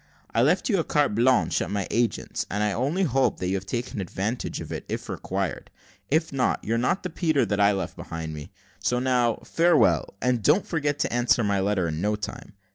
I left you a carte blanche at my agent's, and I only hope that you have taken advantage of it, if required; if not, you're not the Peter that I left behind me. So now, farewell, and don't forget to answer my letter in no time.